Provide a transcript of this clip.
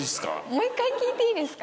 もう１回聞いていいですか？